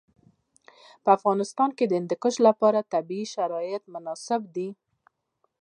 په افغانستان کې د هندوکش لپاره طبیعي شرایط مناسب دي.